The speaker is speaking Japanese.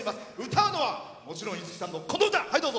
歌うのはもちろん五木ひろしさんのこの歌。